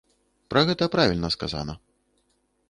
Пра гэта правільна сказана.